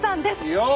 よっ！